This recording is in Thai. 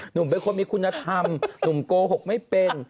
หนุ่มเป็นคนมีคุณธรรมหนุ่มโกหกไม่เป็น